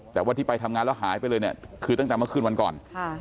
แต่ว่าที่ไปทำงานแล้วหายไปเลยเนี่ยคือตั้งแต่เมื่อคืนวันก่อน